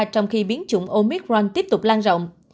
trong khi biến chủng omicron tiếp tục lan rộng